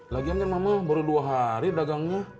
lagian kan mama baru dua hari dagangnya